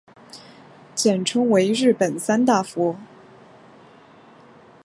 简称为日本三大佛。